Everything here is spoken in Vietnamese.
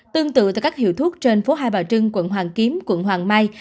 tương tự từ các hiệu thuốc trên phố hai bào trưng quận hoàng kiếm quận hoàng mai